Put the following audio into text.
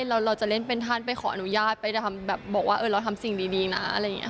เราจะเล่นเป็นท่านไปขออนุญาตไปทำแบบบอกว่าเราทำสิ่งดีนะอะไรอย่างนี้